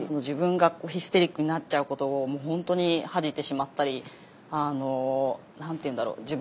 自分がヒステリックになっちゃうことを本当に恥じてしまったりあの何て言うんだろう